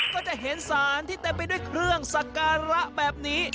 ก็จะเห็นสารที่เต็มไปด้วยเครื่องสักการะแบบนี้